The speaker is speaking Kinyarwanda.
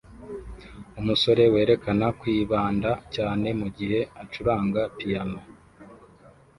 Umusore werekana kwibanda cyane mugihe acuranga piano